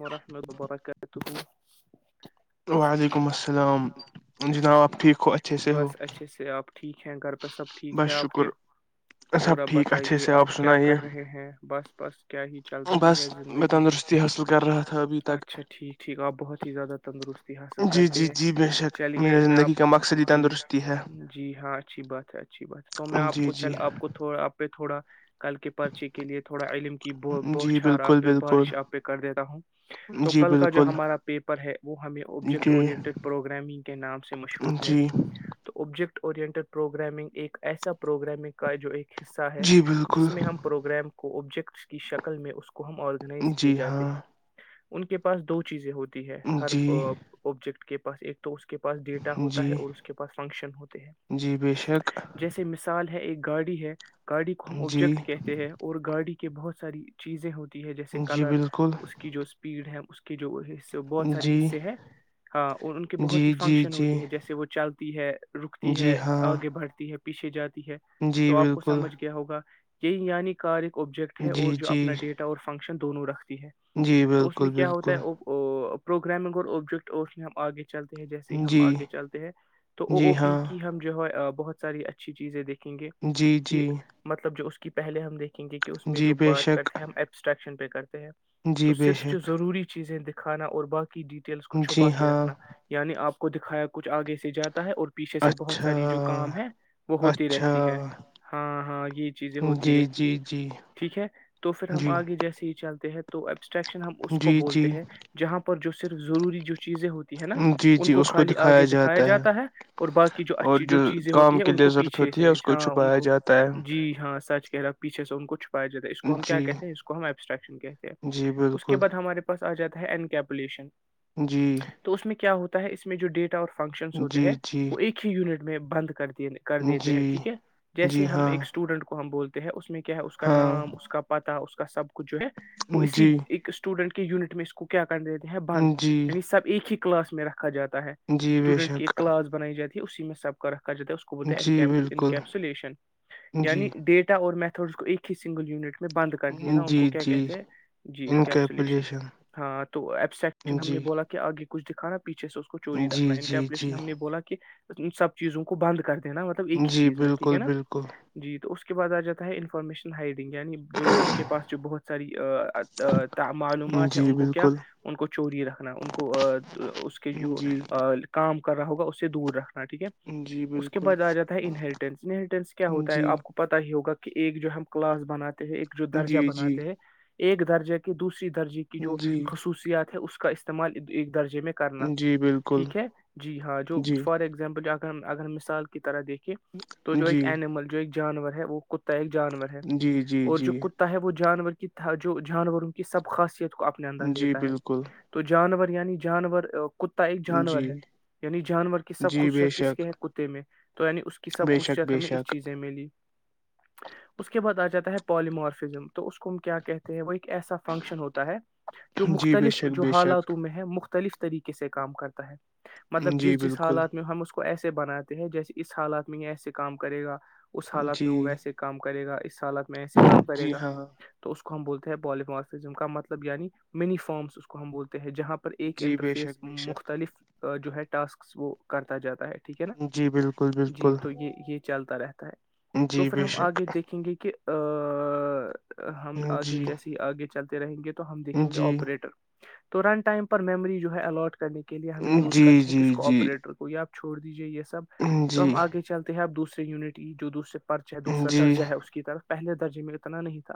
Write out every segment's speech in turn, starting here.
وورحمۃ ال وبرکاتہ وعلیکم السلام جناب آپ ٹھیک ہو اچھے سے ہو بس اچھے سے آپ ٹھیک ہے گھر تو سب ٹھیک بس ہے آپ کے شکر اور سب اب ٹھیک اچھے بتائیے سے آپ کیا سنائیے کر رہے ہیں بس بس کیا ہی چل رہی بس ہے میں زندگی تندرستی حاصل کر رہا تھا ابھی تک اچھا ٹھیک ٹھیک آپ بہت ہی زیادہ تندرستی حاصل جی کرتے جی ہیں جی بے شک چلیے میرے میں آپ زندگی کا مقصد ہی جی تندرستی ہے جی ہاں اچھی بات ہے اچھی بات ہے تو میں آپ جی کو جی چل آپ کوا آپ پہ تھوڑا کل کے پرچے کے لیے تھوڑا علم کی ب بو جی چار بالکل آپ بالکل بارش آ کر دیتا ہوں تو جی کل کا جو بالکل ہمارا پیپر ہے وہ ہمیں آبجیکٹ جی اورینٹیڈ پروگرامنگ کے نام سے مشہور ہے جی تو آبجیکٹ اورینٹڈ پروگرامنگ ایک ایسا پروگرامنگ کا جو ایک حصہ ہے جی بالکل جس میں ہم پروگرام کو آبجیکٹس کی شکل میں اس کو ہم آ جی ہاں ان کے پاس دو چیزیں ہوتی ہے ہر جی آبجیکٹ کے بس ایک اس کے پاس ڈیٹا ہوتا ہے جی اور اس کے پاس فنکشن ہوتے ہیں جی بے شک جیسے مثال ہے ایک گاڑی ہے گاڑی کو ہم جی آبجیکٹ کہتے ہیں اور گاڑی کہ بہت ساری چیزیں ہوتی ہے جیسے جی کلر بالکل اس کی جو اسپیڈ ہے اس جو بہت سار جی حصے ہیں ہاں اور ان کے بہت ہی جی جی فنکشن جی ہوتے ہیں جیسے وہ چلتے تی ہے رکتی جی ہے ہاں آگے بڑھتی ہے پیشے جات ہے جی تو آپ کو بالکل سمجھ گیا ہوگا یہ یع کارک آبجیکٹ ہے جی اور جو جی اپنا ڈیٹا اور فنکشن شن دوون نور رکھ ہے جی تو اس میں بالکل کیا ہوتا ہے بالکل وہ پروگرامنگ اور اوبجیکٹ میں ہم آگے چلتے ہیں جیسے ہم جی آگے چلتے ہیں تو او جی او پی ہاں کی ہم جو ہے بہت ساری اچھی چیزیں دیکھی کہیں گے جی کہ جی مطلب جو اس کے کہ پہلے ہم دیکھتے گے کہ اس میں جی جو بے بات شک کرتے ہیں ہم ایپس ایکشن پے کر تو جی بے صرف جو شک ضروری چیزیں کھانا اور باقی کی ڈیٹیلس کو چھپا جی کے ہاں رکھنا یعنی آپ کو کو دکھایا کچھ آگے سے جات ہے اور پیچھے سے بہت اچھا ساری جو کام ہے وہ ہوتی اچھا رہتی ہے ہاں ہاں یہ چیزیں ہوتی جی رہتی جی ہے جی ٹھیک ہے تو پھر ہم جی آگے چلتے ہیں تو اب ٹشن ہم اس کو جی بولتے جی ہیں جہاں پر جو صرف ضروری جو چیزیں ہوتی ہے نا ان کو خالی آگے دکھایا جاتا ہے اور باقی جو اور اچھی جو چیزیں ہوتی کام ہے کے ان لیے کو ضرورت پیچھے ہوتی ہے سے اس کو ہاں ان چھپایا کو جاتا ہے جی ہاں سچ کہہ رہا پیچھے سے پا جات ہے اس کو ہم کیا جی کہتے ہیں اس کو ایسٹریکشن کہتے ہیں جی اس کے بالکل بعد ہمارے پاس آ جاتا ہے انکپولیشن جی تو اس میں کیا ہوتا ہے اس میں جو ڈیٹ اور فنکشنس ہوتے ہیں جی جی وہ ایک ہی یونٹ میں بند کر د کر دیتے ہیں جی ٹھیک ہے جیسے جی ہم ہاں ایک اسٹوڈنٹ کو ہم بولتے ہے اس میں ہے اس کا ہاں نام اس کا پت نہ اس کو کسب جو ہے وہ اسی جی ایک اسٹوڈنٹ کے یونٹ میں اس کو کیا دیتے ہیں بند جی یعنی سب ایک ہی کلاس میرا کھا جاتا ہے جی بے اسٹوڈنٹ کی ایک شک کلاس بنائی جاتی اسی میں سب کر جات ہے اس کو بولتا جی ہیں بالکل انکپسولیشن جی یعنی ڈیٹا اور میتھ اس کو ایک ہی سگل یونٹ میں بات دیا نا ان کو جی کیا جی کہتے ہیں جی انکپسلیشن انکیپولیشن ہاں تو ایبسیکشن ہم نے جی بولا کہ آگے کچ دکھانا پیھے سے اس کو چوری جی رکھنا ان کا جی ایپلیشن جی ہم نے بولا کہ سب چیزوں کو بند کر د نا مطلب ایک ہی جی چیز میں ٹھیک بالکل ہے نا بالکل جی تو اس کے کےعد آ جاتا ہے انفارمیشن ہائڈنگ یعنی جو کے پاس جو بہت ساری آ معلومات ہے جی ان کو کیا بالکل ان کو چوری رکھنا ان کو اس کے جو جی کام کر رہا ہوگا اس سے دور ہے ٹھیک ہے جی اس کے بالکل بع آ جاتا ہے انہریٹینس انہریٹینس کیا ہوتا ہے جی آپ کو پتا ہی ہوگا کہ کہ ایک جو ہم کلاس بناتے ہیں ایک جو درجہ جی جی بناتے ہیں ایک درجے کے دوسر درجے کی جو جی خصوصیات ہے اس کے کا استعمال ایک درجے میں کرنا جی بالکل ٹھیک ہے جی ہاں جو جی فار ایزامپل آپ اگر مثال کی طرح دیکھ تو جو ایک جی انیمل جو ایک جانور ہے وہ کتا ہےل جی جی جی وہ جانور کی جو جانوروں کی سب خاصیت کو اپنے اندر جی لیتا ہے بالکل تو جانور یعنی جانور ک کتا ایک جانور جی ہے یعنی جانور کی سب جی بے خصیت کس شک کے ہے کتے میں تو یعنی اس کی سب بے شک خوصیت بے ہم نے اس شک چیزیں میں لی اس کے بعد آ جاتا ہے پاللیمارس فزم تو اس کو ہم کیا کہتے ہیں وہ ایک ایسا فنکشن ہوتا ہے جو جی بے مختلف شک جو بے شک حالاتوں میں ہے مختلف طریقے سے کام کرتا ہے مطلب جی جس جس بالکل حالات میں ہم کو ایسے بناتے ہیں جیسے اس حالات میں یہ ایسے کام کرے گا اس حالات جی میں وہ ویسے کام کرے گا سالک میں ایسے کام جی کرے گا ہاں ہاں تو کو ہم بولتے ہیں بالیمارفزم کا مطلب ینی منی فارمس کو ہم بولتے ہیں جہاں پر ایک جی بے شک انٹرفیس بے شک مختلف جو ہے ٹسکس وہ کرتا جاتا ہے ٹھیک ہے نا جی بالکل جی بالکل تو یہ یہ چلتا رہے ہے جی تو پھر بے ہم شک آگے دیکھیں گے کہ ہم آگے جی جیسے آگے چلتے رہیں گے تو تو ہم دیکھیں گے جی آپریٹر تو رن ٹائم پر میمی جو ہے اللاٹ کرنے کے لیے ہم یوز جی کرتے ہیں کسی جی کو جی آپریٹر کو یا چھوڑ دیجیے س سب تو ہم جی آگے چلتے ہیں اب دوسر یونٹ ای جو دوسر پررچ ہے دوسرا جی درجہ ہے اس کی طرف پہلے جی میں اتنا نہیں تھا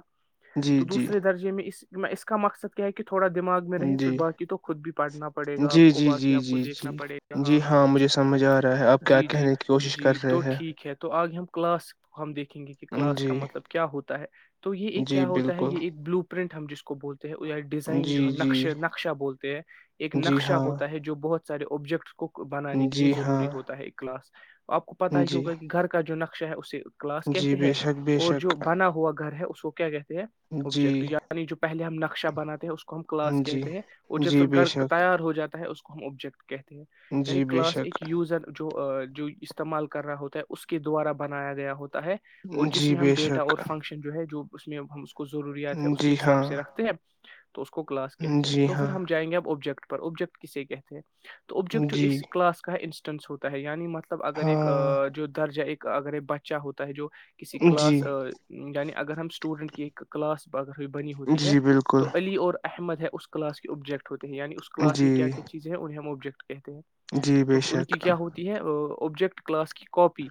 جی تو جی جی دوسرے درجے میں اس اس کا مقصد کیا ہے کہ تھوڑا دماغ میں رہے پھر جی باقی تو خود بھی پڑھنا پڑے گا آپ جی کو باقی جی آپ کو جی دیکھنا جی پڑے گا ہاں جی ہاں مجھے سمجھ آ رہا ہے آپ کیا جی جی کہنے کی کوشش کر جی رہے تو ٹھیک ہے تو آگے ہم کلاسک پ ہممدکھ یں گے کہ ہیں کلاس کا جی مطلب کیا ہوتا ہے تو یہ ایک جی کیا ہوتا ہے بالکل یہ ایک بلو پرنٹ ہم جس کو بولتے ڈیزائن جی جو ہے جی نقشے نقشہ بولتے ہیں ایک جی نقشہ ہاں ہوتا ہے جو بہت سارے ابجیکٹ کو بنانے کے لیے جی ہاں ضروری ہوتا ہے ایک کلاس آپ کو پتا ہی جی ہوگا کہ گھر کا جو نقش ہے اس جی بے شک بے شک ہوا گھر ہے اس کو کیا گیا جی آبجیکٹ یعنی جو پہلے ہم نقشہ بناتے ہیں اس کو ہم کلاس جی کہتے ہیں اور ج پھر جی بے گھر شک تیار ہو جاتا ہے اس کو کوم ابجیکٹ ہیں میری جی بے کلاس شک ایک یوزر جو جو استعمال کر رہا ہوتا ہے اس کے دوارا بنایا گیا ہوتا ہے اور جس جی میں ہم بے ڈیٹ اور شک فنکشن جو ہے جو اس میں ہم اس کو کو ضروریات ہے اس کے جی حساب ہاں سے رکھتے ہیں تو اس کو کلاس کہتے ہیں جی تو پھر ہاں ہم جائیں گے اب آبجیکٹ ابجیکٹ کسے کہتے ہیں تو اوبجیکٹو اس جی کلاس کا ہے ان ینس ہوتا ہے ینی مت مطلب اگر ایک ہاں جودھر ج ایک اگر یہ بچا ہوتا ہے جو کسی جی کلاس تو نی اگر ہم س اسٹوڈنٹ کی کلاس اگر ہوئی بنی ہوتی ہے جی بالکل تو علی اور احمد ہے اس کلاس کی آبجیکٹ ہو ہے [unintelligible] یع اس کلا میں کیا جی چیزیں انہیں ہم آبجیکٹ [unintelligible] کہتے ہیں جی بے تو ان شک کی کیا ہوتی ہے وہ اوبجیکٹ کلاس کی کاپی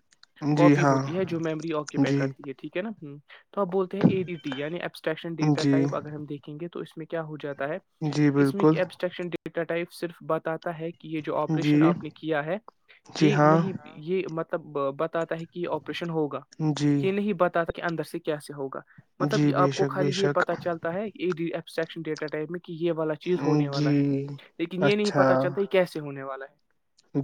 جی کاپی ہاں ہوتی ہے جو میمری آکی پ جی کرتی نا ہ [unintelligible] تو آ بولتے ہیںے ڈی ٹی یع ایسٹریکشن ڈیا جی ٹائپ اگر ہم دیکھیں گے تو اس میں کیا ہو جاتا ہے جی اس میں بالکل کی ایبسٹریکشن ڈی ٹائپ صرف بتاتا ہے کہ یہ جو جی آپریشن آپ نے کیا ہے جی یہ ہاں نہیں یہ مطلب ب [unintelligible] ت ہے کہ آپریشن ہوگا جی پتا تھا کہ اندر سے کیاس ہوگا مطلب جی بے آپ کو شک بے خالی یہ شک پتا چلتا ہے سییکشن ڈیا ائمک یہ والا چیز ہونے جی والا ہے لیکن یہ نہیں اچھا پتا چلتا کیسے ہونے والا ہے [unintelligible]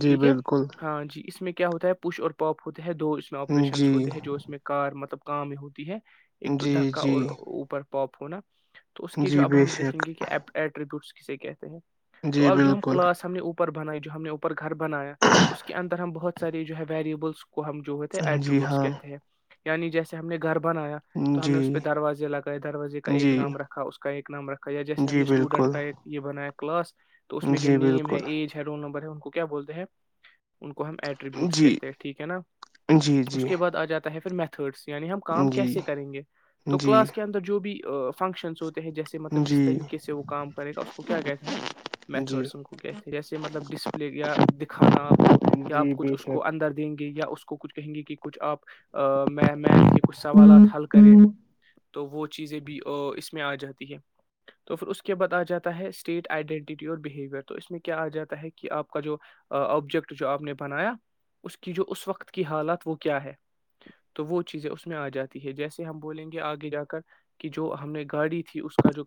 جی ٹھیک ہے بالکل ہاں جی اس میں کیا ہوتا ہے پوش اور پاپ ہوتا ہے دو اس میں آپریشنس جی ہوتے ہیں جو اس میں مطلب کام ہی ہوتی ہے ایک تو جی دھککا جی اور اوپر پاپ ہو نا [unintelligible] تو اس کی جی جو اب بے ہم شک دیکھیں گے کہ ایٹریبوٹس اسے کہتے ہیں [unintelligible] تو جی اب جو ہم بالکل کلاس ہم نے اوپر [unintelligible] بنائی جو ہم نے اوپر گھر بنایا اس کے اندر ہم بہت سے جو ہے ویریبلس کو ہم جو ہوتے ہیں جی ایٹریبوٹس ہاں کہتے ہیں یعنی جیسے ہم نے [unintelligible] گھر بنایا تو ہم نے جی اس پہ دروازے لگائے دروازے کا ایک جی نام رکھا اس کا ایک نمر [unintelligible] کہیا جیسے ہم جی نے اسٹوڈینٹ بالکل کا ایک یہ بنایا کلاس [unintelligible] تو اس میں جو جی نیم ہے بالکل ایج ہے رول نمبر ان کو کیا بولتے ہیں ان کو ہم ایٹریبیوٹس جی کہتے ہیں ٹھیک ہے نا جی اس جی کے بعد آ جاتا تاہ پ میتھڈس یعنی ہم کام جی کیسے کریں گے تو جی کلاس کے اندر جو بھی فنگشن س ہو جیسے مطلب جس جی طریقے سے وہ کام کرے گا اس کو کیا کہتے ہیں جی میتڈ کہتے ہیں جیسے مطلب ڈسپلے یا دکھانا آپ کو یا جی آپ بے کچھ اس کو شک اندر دیں گے یا اس اس کو کچھ کہیں گے کہ کچھ آپ میں میتھ کے کچھ سوالات حل کرے تو وہ چیزیں بھی اس میں آ جاتی ہے تو پھر اس کے بعد آ جاتا ہے اسٹیٹ آئیڈینٹیٹی اور بیہیوئر تو اس میں کیا آ جاتا ہے کہ آپ کا جو آبجیکٹ جو آپ نے بنایا اس کی جو اس وقت کی حالات وہ کیا ہے تو وہ چیزیں اس میں آ جاتی ہے جیسے ہم بولیں گے آگے جا کر کہ جو ہم نے گاڑی تھی اس کا جو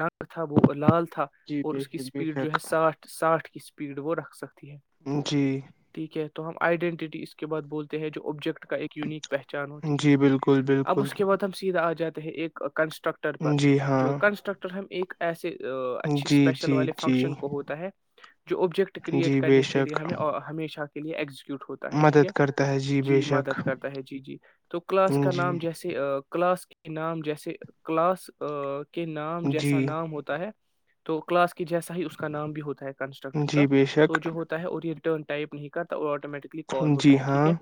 رنگ تھا وہ لال تھا جی اور بے اس کی شک بے اسپیڈ جو شک ہے ساٹھ ساٹھ کی اسپیڈ وہ رکھ سکتی ہے جی ٹھیک ہے ہم آئیڈینٹیٹی اس کے بع بولتے ہیں جو آبجیکٹ کا یونیک پہچان ہوتی ہے جی بالکل اب بالکل اس کے بد ہم سیدھا آ جاتے ایک ٹرکٹر پر جی جو ہاں کنسٹرکٹر ہم ایک ایسے اچھی جی اسپیشل جی والے جی فنکشن کو ہوتا ہے جو آبجیکٹ کریئٹ جی بے کرنے کے لیے شک ہمیں ہمیشہ کہ لینی مدد کرتا ہے جی بے شک مدد کرتا ہے جی جی تو کلاس کا جی نام جیسے کلاس کے انعام جیسے کلاس کے نام جیسا جی نام ہوتا ہے تو کلاس جیسا ہی اس کا نام بھی ہوتا ہے کنسٹرکٹر کا جی بے شک تو جو ہوتا ہے اور ٹائپ نہیں کرتا اور ٹوٹلی کال ہوتا جی ہے ٹھیک ہاں ہے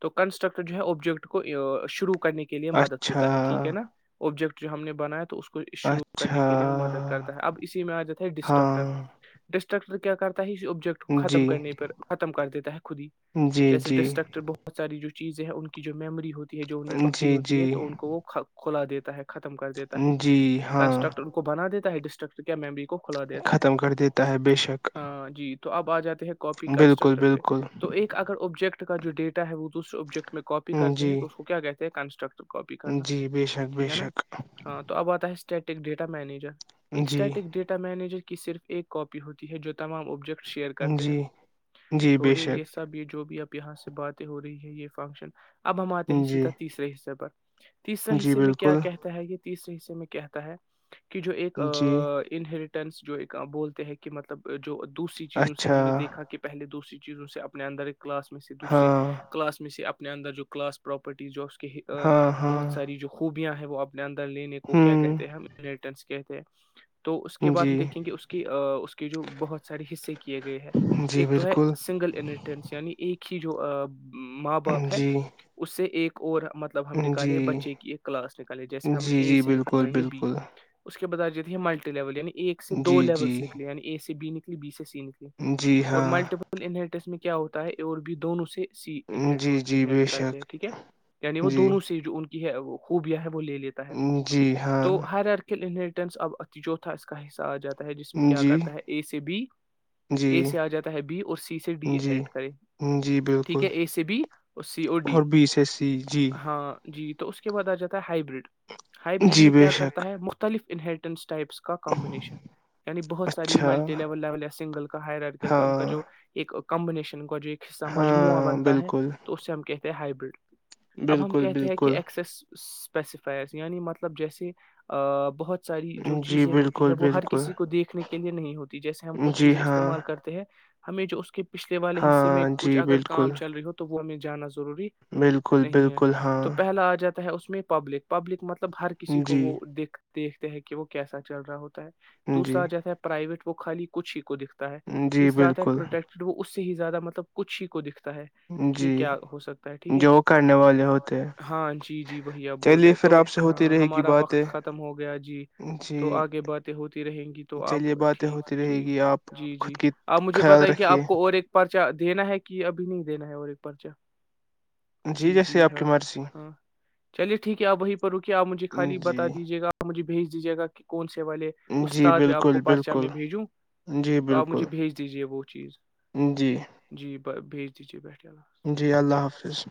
تو کنٹرکٹر جو ہے آبجیکٹ کو شرو کر کرنے کے لیے مدد اچھا ہوتا ہے ٹھیک ہے نا آبجیکٹ ہم نے بنایا تو اس شروع کرنے اچھا کے لیے وہ مدد کرتا ہے اب اسی میں آ جاتا ہے ڈسٹرکٹر ہاں ڈسٹر اسٹرر کیا کر ہی اس آبجیکٹ کو ختم جی کرنے پر ختم کر دیتا ہے خود ہی جی جیسے جی ڈسٹرکٹر بہت ساری جو چیزیں ہیں ان کی جو میمری ہوتی ہے جو ان نے پکڑی جی ہوتی ہے جی تو ان کو وہ کھلا دیتا ہے ختم کر دیتا ہے جی ہاں کنسٹرکٹر ان کو بنا دیتا ڈسٹرر ممری کو کھلا دیتا ختم کر ہےتم دیتا ہے بے شک ہاں جی تو اب آ جاتے ہے کاپی بالکل کنسٹرکٹر پہ بالکل تو ایک اگر آبجیکٹ کا جو ڈیٹا ہے وہ سر آبجیکٹ میں کاپی کرتے ہیں جی تو اس کو کیا کہتے کنسٹرکٹ کاپی کرنا جی بے شک ٹھیک بے ہے نا شک ہاں تو اب آتا ہے اسٹیٹ ٹ ڈیٹا مینیجر جی ایکسٹاٹک ڈیٹا مینجر کی صرف ایک کاپی ہوتی ہے جو تمام آبجیکٹ شیئر کرتے ہیں جی جی بے چھوڑے شک یہ سب یہ جو بھی آ یہاں سے باتیں ہو رہی یہ یہ فنکشن اب ہم آتے ہیں جی سیدھا تیسر حصے پر تیسرا جی حصے میں کیا بالکل کہتا ہے یہ تیسرے حصے میں کہتا ہے کی جو ایک جی انری ٹس جو ایک بولتے ہیں کہ مطلب جو دوسری چیزوں سے اچھا ہم نےیکھا کہ پہل دوسری چیزوں سے اپنے اندر ایک کلاس میں سے دوسرے ہاں کلاس میں اپنے اندر جو کلاس پراپرٹی جو ہاں ہاں بہت ساری جو خوب ں ہیں وہ آپ اندر لینے کو کیا ہوں کہتے ہیں ہم یرٹنسی کہتے ہیں تو اس کے بعد جی ہم دیکھیں گے اس کی اس کے جو بہت سارے حصے کیے گئے ہیں جی ایک تو ہے بالکل سنگل انٹنس یعنی ایک کی جو ماں باپ ہے جی اس سے ایک اور مطلب ہم نکالے جی بچے کی ایک کلاس نکالے جیسے ہم جی اے جی سے بالکل نکالیں گے بی بالکل اس بدائیجیھی ملٹی لیول عنی ایک سے دو جی لیولس جی نکلے ینی اے سے بی نکل بیس س جی اور ہاں ملٹیپل انہ کے اس میں کیا ہوتا ہے اور بھی دونوں سے انہٹ ہو جی جی بے انہلٹ کرتے ہیں شک ٹھیک ہے یعنی وہ جی دونوں سےی جو ان ہے وہو بیا ہے لے لیتا ہے جی ہاں تو ہر ارک ان جوھا اس کا حسہ آ جات ہے جس میں کیا جی کرتا ہے اے سے بی جی اے سے آ جاتا ہے بی اور سی سے ڈی جی انہرٹ کریں جی ٹھیک بالکل ہے اے سے اور سی ڈی اور بی س سی جی ہاں جی تو اس کے بعد آ جاتا ہے ہائیبرڈ ہائبرڈ جی میں بے کیا کرتا شک ہے مختلف انہیٹنس ٹائپس کا کمبینشن یعنی بہت ساری اچھا ملٹی لیول لیول یا سنگل کا ہائررکل کا ان کا ہاں جو ایک کمبنیشن کا جو ایک حصہ مجموعہ ہاں بنتا ہے بالکل تو اس سے ہم کہ ہیں پ ہائبرڈ اب ہم بالکل کہتے ہیں کہ بالکل ایکسس اسپیسیفائ یعنی مطلب جیسے بہت ساری جو جی چیزیں ہوتی ہے بالکل وہ ہر بالکل کسی کو دیکھنے کے لیے نہیں ہوتی جیسے ہم کچھ جی چیزیں ہاں استعمال کرتے ہیں ہمیں جو اس کے پچھلے والے حصے میں ہاں جی کچھ اگر بالکل کام چل رہی ہو جانا ضروری بالکل نہیں ہے بالکل ہاں تو پہلا آ جاتا ہے اس میں پبلک پبلک مطلب مطلب ہر کسی کو جی وہ دکھ دیکھتے ہیں کہ وہ کیسا چل رہا ہوتا ہے جی دوسرا جیسا پرائیویٹ وہ خالی کچ ہی کو دکھ ہے جی تیسرا آتا ہے بالکل پروٹیکٹڈ وہ اس سے ہی زیادہ مطلب کچ ہی کو دکھتے تا ہے کہ جی کیا ہو سکتا ہے ٹھیک ہے جو کرنے والے ہوتے ہیں ہاں جی جی وہی آپ بول چلیے رہے پھر تو آپ سے ہوتی ہاں رہے گی ہمارا وقت باتیں ختم ہو گیا جی جی تو آگے باتیں ہوتی رہیں گی تو آپ چلیے باتیں ٹھیک ہوتی رہے جی گی آپ جی جی خود کی آپ مجھے خیال پت ہے کہ رکھیے آپ کو اور ایک دینا ہے کہ ابھی نہیں دینا ہے اور [unintelligible] جی جیسے آپ کی مرضی [unintelligible] چلیے ٹھیک ہے آبھائی روک کیا آپجھے خالی بتا جی دیجیے گاجھے بھیج دیجیے گا کون سی والے جی استاد میں آپ کو بالکل پرچا بالکل میں بھیجوں جی تو آپ بالکل مجھے بھیج دیجیے وہ چیز جی جی بھیج دیجے پٹھ [unintelligible] جی اللہ حافظ [unintelligible]